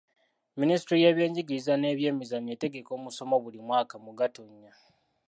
Minisitule y'ebyenjigiriza n'ebyemizannyo etegeka omusomo buli mwaka mu Gatonnya